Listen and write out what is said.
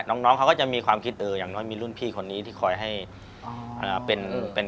น้องเขาก็จะมีความคิดเอออย่างน้อยมีรุ่นพี่คนนี้ที่คอยให้เป็น